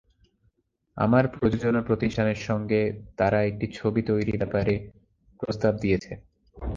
আমার প্রযোজনা প্রতিষ্ঠানের সঙ্গে তারা একটি ছবি তৈরি ব্যাপারে প্রস্তাব দিয়েছে।